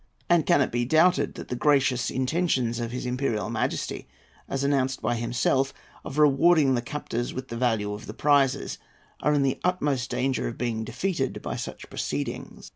And can it be doubted that the gracious intentions of his Imperial Majesty, as announced by himself, of rewarding the captors with the value of the prizes, are in the utmost danger of being defeated by such proceedings?